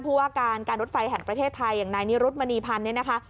ผู้ว่าการการรถไฟแห่งประเทศไทยอย่างนายนิรุธมณีพันธ์เนี่ยนะคะ